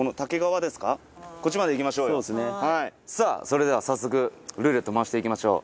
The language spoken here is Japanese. さあそれでは早速ルーレット回していきましょう。